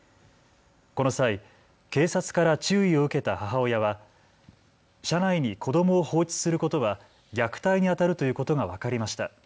この際、警察から注意を受けた母親は車内に子どもを放置することは虐待にあたるということが分かりました。